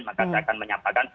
maka saya akan menyampaikan